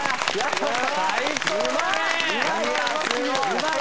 うまい！